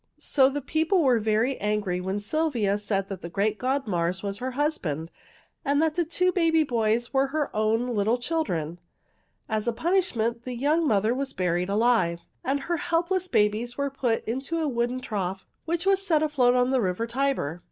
So the people were very angry when Sylvia said the great god Mars was her husband and the two baby boys were her own little children. As a punishment the young mother was buried alive, and her helpless babies were put into a wooden trough, which was set afloat on the river Tiber.